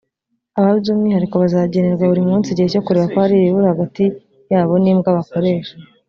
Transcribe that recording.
aba by’umwihariko bazagenerwa buri munsi igihe cyo kureba ko hari ibibura hagati ya bo n’imbwa bakoresha